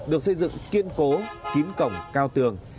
được xây dựng kiên cố kín cổng cao tường